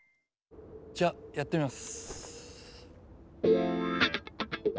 じゃやってみます。